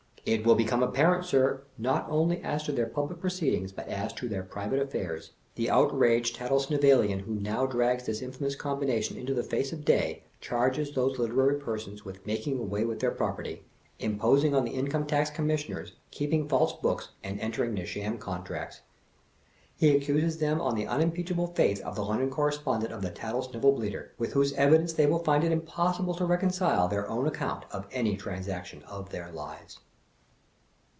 This will become apparent, sir, not only as to their public proceedings but as to their private affairs. The outraged Tattlesnivellian who now drags this infamous combination into the face of day, charges those literary persons with making away with their property, imposing on the Income Tax Commissioners, keeping false books, and entering into sham contracts. He accuses them on the unimpeachable faith of the London Correspondent of The Tattlesnivel Bleater. With whose evidence they will find it impossible to reconcile their own account of any transaction of their lives.